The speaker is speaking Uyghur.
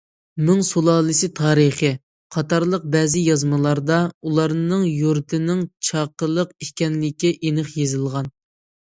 ‹‹ مىڭ سۇلالىسى تارىخى›› قاتارلىق بەزى يازمىلاردا ئۇلارنىڭ يۇرتىنىڭ چاقىلىق ئىكەنلىكى ئېنىق يېزىلغان.